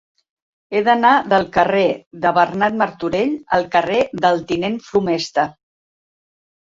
He d'anar del carrer de Bernat Martorell al carrer del Tinent Flomesta.